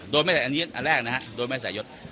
โดยไม่ใส่อันแรกนะครับโดยไม่ใส่ยด